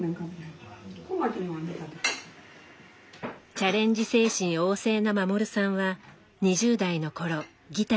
チャレンジ精神旺盛な護さんは２０代の頃ギターに夢中でした。